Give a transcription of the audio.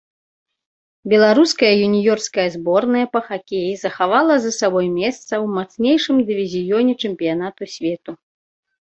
Беларуская юніёрская зборная па хакеі захавала за сабой месца ў мацнейшым дывізіёне чэмпіянату свету.